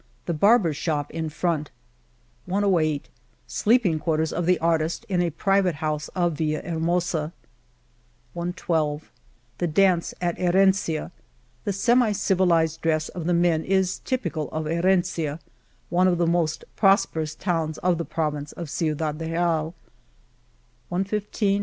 The barber's shop in fronts IQ7 Sleeping quarters of the artist in a private house of Villahermosa, lo^ The dance at Herencia, The semi civilized dress of the men is typical of Herencia^ one of the most pros perous towns of the province of Ciudad Real, .